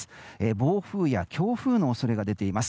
暴風や強風の恐れが出ています。